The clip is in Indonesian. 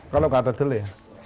kalau gak ada gede